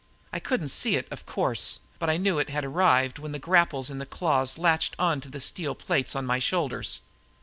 I couldn't see it, of course, but I knew it had arrived when the grapples in the claws latched onto the steel plates on my shoulders.